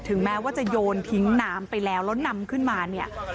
แม้ว่าจะโยนทิ้งน้ำไปแล้วแล้วนำขึ้นมาเนี่ย